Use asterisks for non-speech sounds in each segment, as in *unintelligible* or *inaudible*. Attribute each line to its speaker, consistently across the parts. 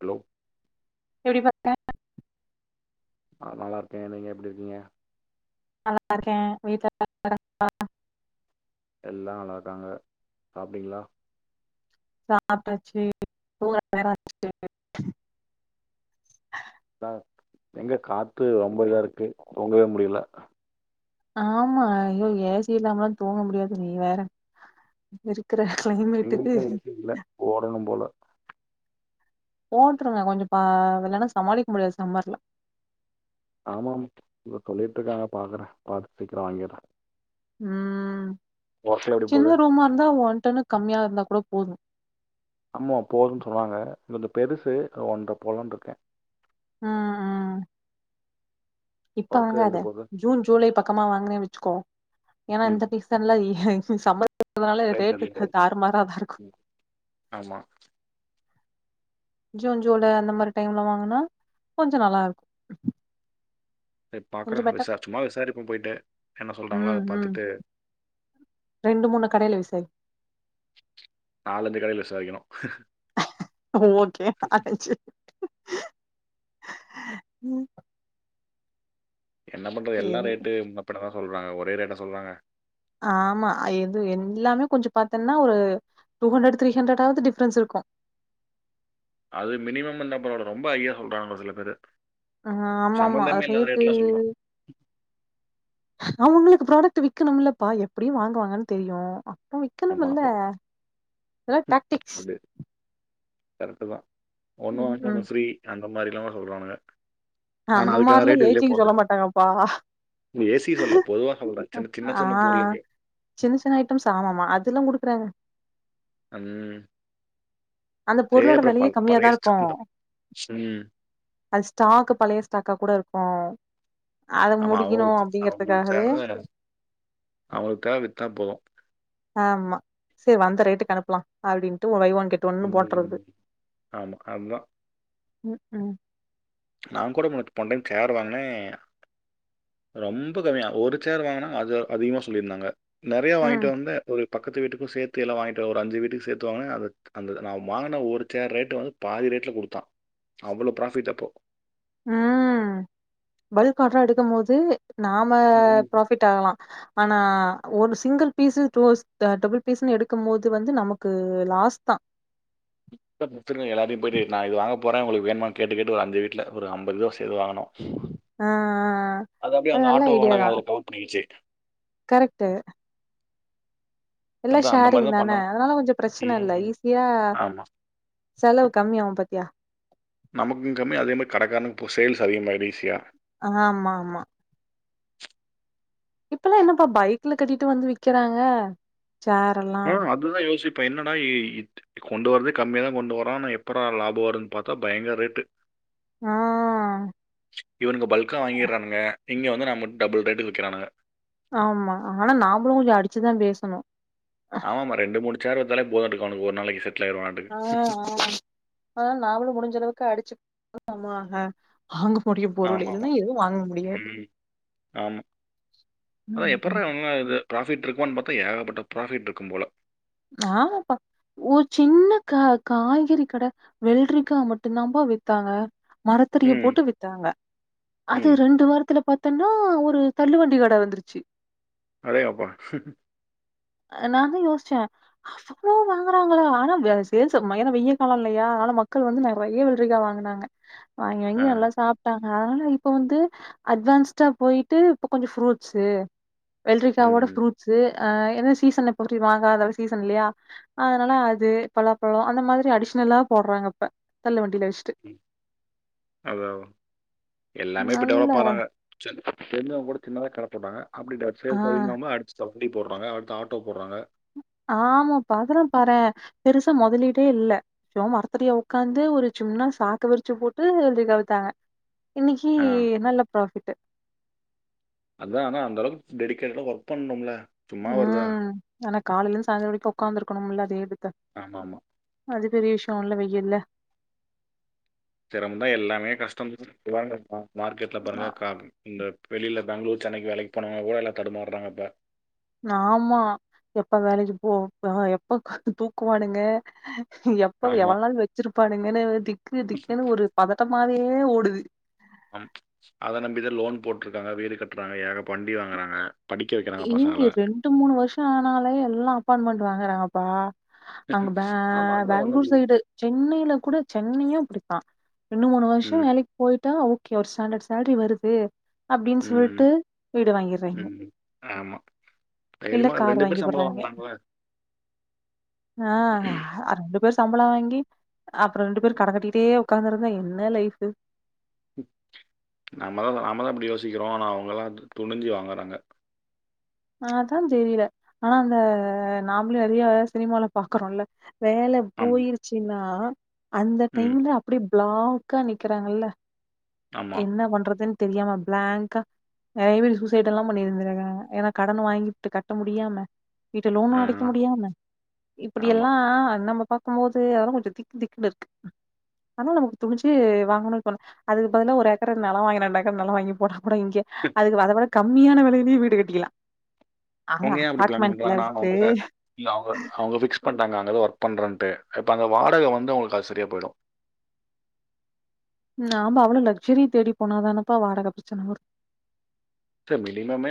Speaker 1: Hello
Speaker 2: இப்டி பாத்தா
Speaker 1: ஆ நல்லாருக்கே நீங்க எப்டி இருக்கீங்க
Speaker 2: நல்லாருக்கே வீட்ல எல்லா
Speaker 1: எல்லா நல்லாருக்காங்க சாப்டிங்களா
Speaker 2: சாப்டாச்சு *inaudible*
Speaker 1: *unintelligible* எங்க காத்து ரொம்ப இதா இருக்கு தூங்கவே முடியல
Speaker 2: ஆமா ஐயோ ஏ சி இல்லாமலா தூங்க முடியாது நீ வேற இப்போ இருக்குற க்ளைமேட்டுக்கு
Speaker 1: ஓடனும் போல
Speaker 2: போட்டுருங்க கொஞ்ச பா இல்லனா சமாளிக்க முடியாது சம்மர்ல
Speaker 1: ஆமாமா இத சொல்லிட்ருக்காங்க பாக்குறே பாத்து சீக்கிர வாங்கிர்றே
Speaker 2: ம்
Speaker 1: ஒர்க்லா எப்டி போது
Speaker 2: சின்ன ரூமா இருந்தா ஒன்டன்னுக்கு கம்மியா இருந்தா கூட போதும்
Speaker 1: அம்மா போதும்ன்னு சொன்னுவாங்க கொஞ்சம் பெருசு அ ஒன்ட்ர போட்லான்ட்ருக்கே
Speaker 2: ம் ம் இப்ப
Speaker 1: ஒர்க்கு
Speaker 2: வாங்காத
Speaker 1: எப்டி போது
Speaker 2: ஜூன் ஜூலை பக்கமா வாங்குனே வெச்சுக்கோ ஏன்னா
Speaker 1: ம்
Speaker 2: இந்த சீசன்ல *unintelligible* சம்மர் *unintelligible*
Speaker 1: ரைட்
Speaker 2: ரேட்டு
Speaker 1: ரைட்
Speaker 2: அ
Speaker 1: ரைட்.
Speaker 2: தாறு மாறாதான் இருக்கும்
Speaker 1: ம், ஆமா
Speaker 2: ஜூன் ஜூலை அந்த மாரி டைம்ல வாங்குனா கொஞ்சம் நல்லா இருக்கும்
Speaker 1: சரி
Speaker 2: கொஞ்சோ
Speaker 1: பாக்குறன்
Speaker 2: பெட்டர்
Speaker 1: விசார் சும்மா விசாரிப்போம் போய்ட்டு என்ன சொல்றாங்களோ அத
Speaker 2: ம் ம்
Speaker 1: பாத்துட்டு
Speaker 2: ரெண்டு மூணு கடையில விசாரி
Speaker 1: நாலஞ்சு கடையில விசாரிக்கணும்
Speaker 2: ஓகே *unintelligible* ம்
Speaker 1: என்ன பண்றது எல்லாம்
Speaker 2: சேரி
Speaker 1: ரேட்டு முன்ன பின்னதான் சொல்றாங்க ஒரே ரேட்டா சொல்றாங்க
Speaker 2: ஆமா அ எது எல்லாமே கொஞ்சே பாத்தன்னா ஒரு டு ஹன்ரடு த்ரீ ஹண்டரடாவது டிப்ரன்ஸ் இருக்கு
Speaker 1: அது மினிமம் வந்தா பரவால்ல ரொம்ப ஹை ஆ சொல்றாங்க சில பேரு
Speaker 2: ஆ ஆமா ஆமா ரேட்டு
Speaker 1: சொல்றாங்க
Speaker 2: அவங்களுக்கு ப்ராடக்ட் விக்கணும்லப்பா எப்படியு வாங்குவாங்கன்னு தெரியு
Speaker 1: ஆமா
Speaker 2: விக்கணுமில்ல இதெல்லா டாக்டிக்ஸ்
Speaker 1: இது கரெக்டு தா ஒன்னு
Speaker 2: ம்
Speaker 1: வாங்குணா
Speaker 2: ம்
Speaker 1: ஒன்னு ஃப்ரீ அந்த மாரிலா சொல்றானுங்க ஆனா
Speaker 2: அந்த
Speaker 1: அதுக்கான
Speaker 2: மாரிலா ஏ சிக்கு சொல்ல மாட்டாங்கப்பா
Speaker 1: ஏ சி சொல்லல பொதுவா சொல்றே சின்ன சின்ன
Speaker 2: ஆ
Speaker 1: சின்ன பொருளுக்கு
Speaker 2: சின்ன சின்ன ஐட்டம்ஸ் ஆமாமா அதெல்லா குடுக்குறாங்க
Speaker 1: அம்
Speaker 2: அந்த பொருளோட வெலையே
Speaker 1: பழைய
Speaker 2: கம்மியாதா இருக்கு
Speaker 1: ஸ்ட- இந்த ம்
Speaker 2: அஸ் ஸ்டாக்கு பழைய ஸ்டாக்கா கூட இருக்கு அத
Speaker 1: ஆமா
Speaker 2: முடிக்கணு
Speaker 1: அவங்களுக்கு
Speaker 2: அப்படிங்றதுக்காகவே
Speaker 1: அவுங்களுக்கு தேவ வித்தா போதும்
Speaker 2: ஆமா செரி வந்த ரேட்க்கு அனுப்லா அப்டின்ட்டு ஒ பை ஒன் கெட் ட்டோண்ணு போட்றது
Speaker 1: ம் ஆமா அதுதான்
Speaker 2: ம் ம்
Speaker 1: நான் கூட *unintelligible* போண் டைம் சேர் வாங்னே ரொம்ப கம்மியா ஒரு சேர் வாங்குனாங்க அது அதிகமா சொல்லிருந்தாங்க நெறையா
Speaker 2: ம்,
Speaker 1: வாங்கிட்டு வந்தே ஒரு பக்கத்து வீட்டுக்கும் சேத்து எல்லா வாங்கிட்டு ஒரு அஞ்சு வீட்டுக்கு சேத்து வாங்குனே அது அந்த நான் வாங்குன ஒரு சேர் ரேட்டு வந்து பாதி ரேட்ல குடுத்தா அவ்வளோ ப்ராஃபிட் அப்போ
Speaker 2: ம் பல்க் ஆட்ரா எடுக்கும் போது நாம
Speaker 1: ம்.
Speaker 2: ப்ராஃபிட் ஆகலா ஆனா ஒரு சிங்கிள் பீஸ் டோஸ் அ டபுள் பீஸ்ன்னு எடுக்கும் மோது வந்து நமக்கு லாஸ் தா
Speaker 1: *unintelligible* எல்லார்டையும் போய்ட்டு நான் இது வாங்க போறேன் உங்களுக்கு வேணுமானு கேட்டு கேட்டு ஒரு அஞ்சு வீட்ல ஒரு அம்பது பேரு சேந்து வாங்குனோ
Speaker 2: ஆ, ஆ.
Speaker 1: அது அப்டியே அந்த
Speaker 2: நல்ல
Speaker 1: ஆட்டோ
Speaker 2: ஐடியா
Speaker 1: வாடக
Speaker 2: தான்.
Speaker 1: அதுல கவுன்ட் பண்ணிகிச்சு
Speaker 2: கரெக்ட்டு எல்லா
Speaker 1: அதான் அந்த மாதிரி
Speaker 2: ஷேரிங்
Speaker 1: தான்
Speaker 2: தான
Speaker 1: பண்ணணும்
Speaker 2: அதனால கொஞ்சோ பிரச்சன இல்ல
Speaker 1: ம்.
Speaker 2: ஈஸியா
Speaker 1: ஆமா
Speaker 2: செலவு கம்மியாவும் பாத்தியா
Speaker 1: நமக்கும்மே கம்மி அதேமாரி கடக்காரனுக்கு போ சேல்ஸ் அதிகமாகிடும் ஈஸியா
Speaker 2: அ ஆமாம்மா இப்பெல்லா என்னப்பா பைக்ல கட்டிட்டு வந்து விக்கிறாங்க சேர்
Speaker 1: ம் அதுதான் யோசிப்பேன் என்னடா இ இத் கொண்டு வரத்தே கம்மிய தான் கொண்டு வரோம் ஆனா எப்புட்ரா லாபம் வருனு பாத்தா பயங்கற ரேட்டு
Speaker 2: ஆ.
Speaker 1: இவனுங்க பல்க்கா வாங்கிட்றானுங்க இங்க வந்து நம்மட் டபுள் ரேட்டுக் விக்கிறானுங்க
Speaker 2: ஆமா அ ஆனா நாம்பளும் கொஞ்சோ அடிச்சுதான் பேசணும்
Speaker 1: ஆமாம்மா ரெண்டு மூணு சேர் வித்தாலே போதுன்ட்ருக்கும் அவனுக்கு ஒரு நாளைக்கி செட்லாயிருவான்
Speaker 2: ஆ ஆ ஆனா நாமளும் முடிஞ்ச அளவுக்கு அடிச்சு *unintelligible* வாங்க போடிய
Speaker 1: ஆமாமா.
Speaker 2: பொருளேன்னு எதுவும் வாங்க முடியாது
Speaker 1: ம். ஆமா. அதான் எப்புட்றா
Speaker 2: ம்
Speaker 1: இவங்க இது ப்ராஃபிட்ருக்குமான்னு பாத்தா ஏகப்பட்ட ப்ராஃபிட்ருக்கும் போல
Speaker 2: ஆமாப்ப ஒரு சின்ன கா காய்கறி கட வெல்ரிக்கா மட்டும்தான்ப்பா வித்தாங்க மரத்தடில
Speaker 1: ம்.
Speaker 2: போட்டு வித்தாங்க அது
Speaker 1: ம்.
Speaker 2: ரெண்டு வாரத்துல பாத் தன்னா ஒரு தள்ளுவண்டி கட வந்துருச்சு
Speaker 1: அடேங்கப்பா
Speaker 2: நா அதா யோஸ்ச்ச அவ்ளோ வாங்குறாங்களா ஆனா சேல்ஸ் மையன வெய்ல் காலம் இல்லையா அதனால மக்கள் வந்து நெறைய வெள்ரிகா வாங்குனாங்க
Speaker 1: *inaudible*
Speaker 2: வாங்கி
Speaker 1: ஆ.
Speaker 2: வாங்கி நல்லா சாப் டாங்க ஆனா இப்ப வந்து அட்வான்ஸ்டா போய்ட்டு இப்ப கொஞ்சம் ஃப்ரூட்ஸு
Speaker 1: ம்.
Speaker 2: வெள்ரிக்காவோட
Speaker 1: ம்.
Speaker 2: ஃப்ரூட்ஸ்ஸு ஆ என்ன சீசன் இப் போய்ட்டு வாங்காதவ சீசன் இல்லையா அதனால அது பலாப்பழம் அந்த மாதிரி அடிஷ்னலா போட்றாங்க இப்ப தள்ள வண்டில வெச்
Speaker 1: ம் அதா அதா எல்லாமே இப்ப
Speaker 2: நல்ல
Speaker 1: டெவளப்பாறாங்க *unintelligible* தெரிஞ்சவங்க கூட சின்னதா கட போட்டாங்க
Speaker 2: ஆ
Speaker 1: *unintelligible* சோ அப்டி போட்றாங்க அடுத்து ஆட்டோ போட்றாங்க
Speaker 2: ஆமாப்பா அதெல்லாம் பாறே பெருசா மொதலிடே இல்ல சோ மரத்தடிய உக்காந்து ஒரு சும்னா சாக்கு விரிச்சு போட்டு ப்டி கவித்தாங்க இன்னிக்கி
Speaker 1: ஆ.
Speaker 2: நல்ல ப்ராஃபிட்டு
Speaker 1: அதா ஆனா அந்தளவுக் டெடிகேட்டடா ஒர்க் பண்ணும்ல
Speaker 2: ம் ஆனா காலையிலிந்து சாய்ந்தரம் வரைக்கு உக்காந்துருக்கணும்ல அதே விக்க
Speaker 1: ஆமாமா
Speaker 2: அது பெரிய விஷ்யம் உள்ள வெயில்ல
Speaker 1: சிரம தா எல்லாமே கஷ்டம் வாங்க மார் மார்க்கெட்ல பாருங்க கா இந்த வெளியில பெங்களூர் சென்னைக்கு வேலைக் போனவங்க எல்லார்லா தடுமாறாங்க இப்ப
Speaker 2: ஆமா எப்ப வேலைக்கு போ எப்ப தூக்குவானுங்க இப்போ
Speaker 1: ஆமா
Speaker 2: எவள் நாள் வெச்சிருப்பானுங்கன்னே திக்கு திக்குன்னு ஒரு பதட்டமாவே ஓடுது
Speaker 1: ம் அத நம்பிதா லோன் போட்ருக்காங்க வீடு கட்டுறாங்க ஏக வண்டி வாங்குறாங்க படிக்க வைக்கிறாங்க
Speaker 2: எங்க
Speaker 1: பசங்களை
Speaker 2: ரெண்டு மூணு வருஷம் ஆனாலே எல்லா அப்பார்ட்மெண்ட் வாங்குறாங்கப்பா அங்க பே
Speaker 1: ஆமா அதுதான் ஒண்ணு
Speaker 2: பேங்ளூர்
Speaker 1: புரியும்
Speaker 2: சைடு சென்னையில கூட சென்னையும் அப்பிடித்தா ரெண்டு மூணு வருஷம்
Speaker 1: ம்
Speaker 2: வேலைக் போய்ட்டா ஓகே ஒரு ஸ்டாண்டர்ட் சேலரி வருது அப்டின்
Speaker 1: ம்
Speaker 2: சொல்ட்டு வீடு வாங்கிறாய்ங்க
Speaker 1: ம் ஆமா தைரியமா இப்ப
Speaker 2: கார்
Speaker 1: ரெண்டு பேர்
Speaker 2: வாங்கி
Speaker 1: சம்பளம்
Speaker 2: போடுறாங்க
Speaker 1: வாங்குறாங்களா
Speaker 2: ஆ அவ்ளோ பேர் சம்பளோ வாங்கி அப்புறம் ரெண்டு பேர் கடன் கட்டிட்டே உக்காந்துருந்தா என்ன லைஃப்பு
Speaker 1: நம்ம தா நாம தா இப்டி யோசிக்கிறோ ஆனா அவங்களா துணிஞ்சு வாங்கறாங்க
Speaker 2: ஆ அதா தெரில ஆனா அந்த நாமளு நெறைய சினிமால பாக்குறோல வேல
Speaker 1: ஆமா
Speaker 2: போயிருச்சின்னா அந்த
Speaker 1: ம்
Speaker 2: டைம்ல அப்படி பிளாக்கா நிக்கிறாங்களா
Speaker 1: ஆமா
Speaker 2: என்ன பண்றதுன் தெரியாம பிளாங்கா நெறைய பேர் சூசைட் எல்லா பண்ணிருந்திருக்காங்க எனக் கடன வாங்கிட்டு கட்ட முடியாம வீட்டு லோனு
Speaker 1: ஆ
Speaker 2: அடைக்க முடியாம இப்படி
Speaker 1: ஆமா
Speaker 2: எல்லா நம்ப ப பாக்கும் போது அதா கொஞ்சம் திக்கு திக்குன் இருக்கு ஆனா நமக்கு துணிஞ்சி வாங்கணும் போன அதுக்கு பதிலா ஒரு ஏக்கர் நெலம் வாங்கி ரெண்டு ஏக்கர் நெலம் வாங்கி போடலா கூட இங்கே அதுக்கு அத விட கம்மியான வெலையிலயே வீடு கட்டிக்கிலா
Speaker 1: அவுங்க ஏன் அப்டி பிளான் பண்றாங்கனா
Speaker 2: வித்து
Speaker 1: அவங்கள இல்ல அவுங்க அவுங்க ஃபிக்ஸ் க் பண்ட்டாங்க அங்கதா ஒர்க் பண்றன்ட்டு இப்ப அந்த வாடகை வந்து அவங்ளுக் அது சரியா போயிடு
Speaker 2: நாம அவ்ளோ லக்சூரி தேடி போனாதானப்பா வாடக பிரச்சன வரு
Speaker 1: சார் மினிமமே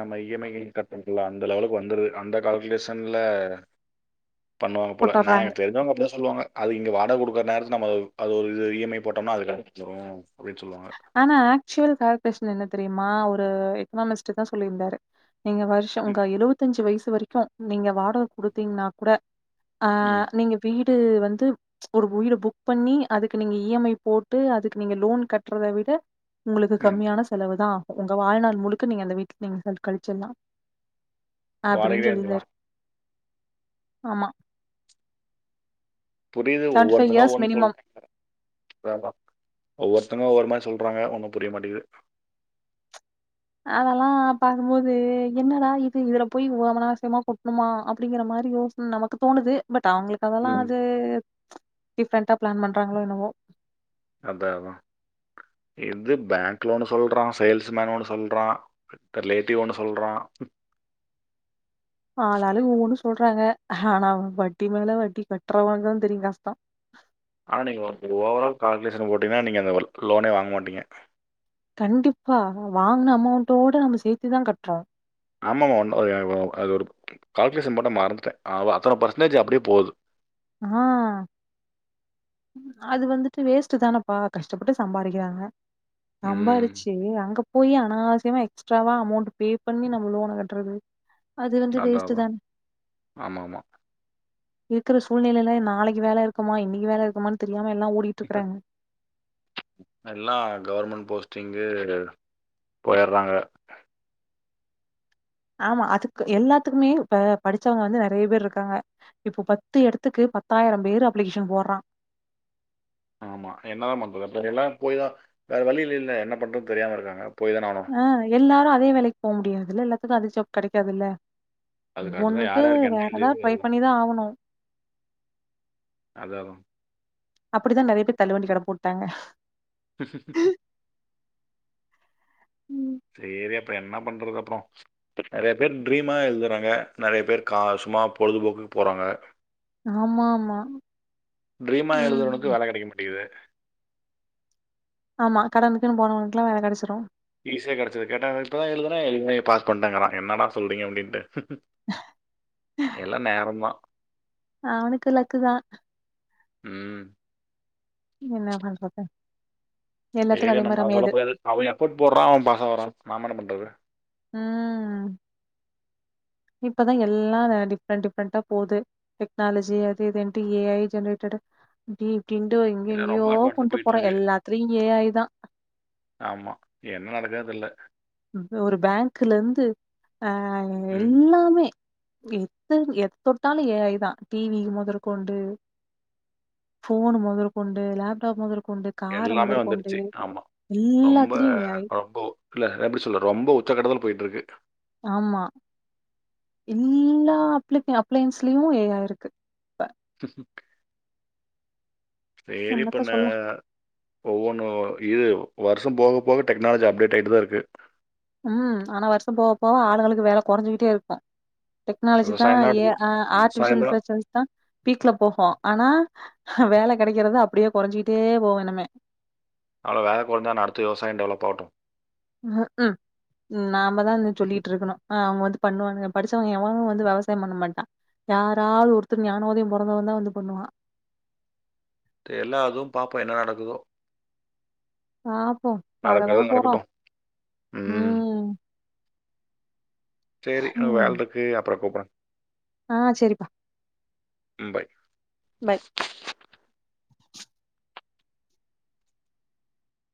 Speaker 1: நம்ம இ எம் ஐ கட்டர்துலா அந்த லெவலுக்கு வந்துடுது அந்த கால்குலேஷன்ல பண்ணுவாங்க போல நா
Speaker 2: போட்டர்றாங்க.
Speaker 1: எனக்கு தெரிஞ்சவங்க அப்பிதா சொல்லுவாங்க அது இங்க வாகை குடுக்குற நேரத்து நம்ம அது ஒரு இது இ எம் ஐ போட்டோம்னா அது கண்டுபுடிச்சுரு அப்டின் சொல்லுவாங்க
Speaker 2: ஆனா ஆக்சுவல் கால்குலேஷன் என்ன தெரியுமா ஒரு எக்கனாமிஸ்ட் தா சொல்லியிருந்தாரு நீங்க வருஷோ உங்க எழுவத்த அஞ்சு வயசு வரைக்கு நீங்க வாடக குடுத்தீங்கன்னா கூட ஆ
Speaker 1: ம்
Speaker 2: நீங்க வீடு வந்து ஒரு வீடு புக் பண்ணி அதுக்கு நீங்க இ எம் ஐ போட்டு அதுக்கு நீங்க லோன் கட் அத விட உங்களுக்கு
Speaker 1: ம் ம்
Speaker 2: கம்மியான செலவு தா உங்க வாழ்நாள் முழுக்க நீங்க அந்த வீட்டுல நீங்க உக்கார்ந்து கழிச்சில்லா அப்டின்னு
Speaker 1: வாடகையிலே
Speaker 2: சொல்லியிருந்தாரு
Speaker 1: இருந்துக்கலாம்
Speaker 2: ஆமா
Speaker 1: புரியுது ஒவ்வொருத்தங்க
Speaker 2: இயர்ஸ்
Speaker 1: ஒவ்வொன்னு
Speaker 2: மினிமம்.
Speaker 1: சொல்றாங்க அதாதா ஒவ்வொருத்தங்க ஒவ்வொரு மாரி சொல்றாங்க ஒன்னு புரிய மாட்டிது
Speaker 2: அதெல்லா பாக்கும் போது என்னடா இது இதுல போய் அனாவசியமா கொட்டணுமா அப்டிங்கிற மாரி யோச நமக்கு தோணுது பட் அவங்களுக்கு அதெல்லா
Speaker 1: ம்
Speaker 2: அது டிஃப்ரெண்ட்டா பிளான் பண்றாங்களோ என்னவோ
Speaker 1: அத்தா அதா இது பேங்க்ல ஒன்னு சொல்றா சேல்ஸ்மேன் ஒன்னு சொல்றா பெர் லேட்டிவ் ஒண்ணு சொல்றா
Speaker 2: ஆளாளுக்கு ஒவ்வொன்னு சொல்றாங்க ஆனா வட்டி மேல வட்டி கட்டுறவங்கதா தெரியும் கஷ்டம்
Speaker 1: ஆனா நீங்க ஓவரால் கால்குலேஷன் போட்டீங்கன்னா நீங்க அந்த லோனே வாங்க மாட்டீங்க
Speaker 2: கண்டிப்பா வாங்ன அமவ்ண்டோட நம்ம சேத்துதா கட்றோ
Speaker 1: ஆமாம்மா ஒன் ஒரு கால்குலேஷன் போட்டே மறந்துட்டே அவ அத்தனை பெர்சன்டேஜ் அப்டியே போகுது
Speaker 2: ஆ அது வந்துட்டு வேஸ்ட்டு தானேப்பா கஷ்டப்பட்டு சம்பாறிக்கிறாங்க
Speaker 1: ம்
Speaker 2: சம்பாாரிச்சி அங்க போயி அனாவசியமா எக்ஸ்ட்ராவா அமௌண்டட் பே பண்ணி நம்ம லோன் கட்றது அது வந்து
Speaker 1: அதான்
Speaker 2: வேஸ்ட்டு
Speaker 1: அதான்
Speaker 2: தான்
Speaker 1: ஆமாம் ஆமாம்
Speaker 2: இருக்குற சூழ்நிலையில நாளைக்கு வேலை இருக்குமா இன்னைக்கு வேலை இருக்குமான் தெரியாம எல்லா ஓடி
Speaker 1: இப்ப எல்லா கவர்மெண்ட் போஸ்ட்டிங்கு போயிற்றாங்க
Speaker 2: ஆமா அதுக்கு எல்லாத்துக்குமே இப்ப படிச்சவங்க வந்து நெறைய பேர் இருக்காங்க இப்போ பத்து எடத்துக்கு பத்தாயிரம் பேர் அப்ளிகேஷன் போட்றா
Speaker 1: ஆமா என்னதா பண்றது எல்லாரும் போயி தா வேற வழியில்ல இல்ல என்ன பண்றது தெரியாம இருக்காங்க போயி தானே ஆவணு
Speaker 2: ஆ எல்லாரு அதே வேலைக்கு போ முடியாதுல்ல எல்லாத்துக்கு அதே ஜாப் கெடைக்காதுல்ல
Speaker 1: அதுக்காக தான்
Speaker 2: ஒன்னுக்கு
Speaker 1: யார் யாருக்கு
Speaker 2: வேற
Speaker 1: என்ன
Speaker 2: ஏதாவது
Speaker 1: எழுதியது
Speaker 2: ட்ரை பண்ணிதா ஆவணு
Speaker 1: அதாதா
Speaker 2: அப்புடித்தா நெறைய பேர் தள்ளுவண்டி கட போட்டாங்க ம்
Speaker 1: சேரி அப்ப என்ன பண்றது அப்புறோ நெறைய பேர் ட்ரீமா எழுதுறாங்க நெறைய பேர் காசும்மா பொழுதுபோக்குக்கு போறாங்க
Speaker 2: ஆமா ஆமா
Speaker 1: ட்ரீமா எழுதுறவனுக்கு
Speaker 2: ம்
Speaker 1: வேல கெடைக்க மாட்டிது
Speaker 2: ஆமா கடமைக்குன்னு போனவனுங்கலா வேல கெடச்சிடு
Speaker 1: ஈஸியா கெடைச்சது கேட்டா இப்பதா எழுதுனா எ பாஸ் பண்டங்கறா என்னடா சொல்றீங்க அப்டின்ட்டு எல்லா நேரோந்தா
Speaker 2: அவனுக்கு லக்கு தா
Speaker 1: ம்
Speaker 2: இன்னா பண்றது எல்லாத்துக்கு
Speaker 1: சேரியா
Speaker 2: அதே மாரி
Speaker 1: நம்ம சொல்ல
Speaker 2: அமையாது
Speaker 1: முடியாது அவ எஃபோர்ட் போட்றா அவ பாஸ் ஆகுறா நாம என்ன பண்றது
Speaker 2: அ இப்பதா எல்லா டிஃப்ரெண்டட் டிஃப்ரெண்டா போது டெக்னாலஜி அது இதுன்ட்டு ஏஐ ஜெனரேட்டடு டி ட்டிண்டு எங்க
Speaker 1: எல்லாம் ரொம்ப
Speaker 2: எங்கேயோ
Speaker 1: அட்வான்ஸாக
Speaker 2: கொண்ட்டு போறோ
Speaker 1: போயிட்டுருக்கு
Speaker 2: எல்லாத்துலயு ஏ ஐ தா
Speaker 1: ஆமா என்ன நடக்கதுன் தெர்ல
Speaker 2: ஒரு பேங்க்லேருந்து ஆ
Speaker 1: ம்
Speaker 2: எல்லாமே எத்து எது தொட்டாலு ஏ ஐ தா டிவி மொதற்கொண்டு ஃபோனு மொதற்கொண்டு லேப்டாப் மொதற்கொண்டு காரு
Speaker 1: எல்லாமே
Speaker 2: மொதற்கொண்டு
Speaker 1: வந்துடுச்சு ஆமா ரொம்ப
Speaker 2: எல்லாத்துலயு ஏ ஐ
Speaker 1: ரொம்போ இல்ல எப்டி சொல்லற ரொம்ப உச்சக்கட்டத்துல போயிட்ருக்கு
Speaker 2: ஆமா எல்லா அப்ளி அப்ளைன்ஸ்லயு ஏ ஐ இருக்கு
Speaker 1: சேரி இப்ப
Speaker 2: என்னத்த
Speaker 1: நா
Speaker 2: சொல்ல
Speaker 1: ஒவ்வொன்னு இது வருஷம் போக போக டெக்னாலஜி அப்டேட் ஆயிட்டுதா இருக்கு
Speaker 2: ம் ஆனா வருஷ போவ போவ ஆளுங்களுக்கு வேல கொறைஞ்சுக்கிட்டே இருக்கு டெக்னாலஜி தா
Speaker 1: விவசாயம் தான்
Speaker 2: ஏ
Speaker 1: எடுத்து
Speaker 2: ஆர்ட்டிஃபிஷியல்
Speaker 1: விவசாயம் தான்
Speaker 2: இன்டலிஜென்ஸ் தா பீக்ல போகு ஆனா வேல கெடைக்கிறது அப்டியே கொறைஞ்சிட்டே போவு இன்னுமே
Speaker 1: ஆனா வேல கொறஞ்சான்ன அடுத்து விவசாயோ டெவலப் ஆகட்டு
Speaker 2: ம் ஹு நாமதா இன்னு சொல்லிட்டு இருக்கணு அவுங்க வந்து பண்ணுவானுங்க படிச்சவங்க எவனு வந்து வெவசாயம் பண்ண மாட்டா யாரது ஒருத்தர் ஞான உதயம் பொறந்தவன் தா வந்து பண்ணுவா
Speaker 1: தெர்ல அதுவு பாப்போ என்ன நடக்குதோ
Speaker 2: பாப்போ பாக்க தா
Speaker 1: நடக்கிறது
Speaker 2: போறோ
Speaker 1: நடக்கட்டும்
Speaker 2: ம்
Speaker 1: சேரி எனக்
Speaker 2: ம்.
Speaker 1: வேல இருக்கு அப்றோ கூப்புறே
Speaker 2: ஆ செரிப்பா
Speaker 1: ஆ பாய்
Speaker 2: பாய்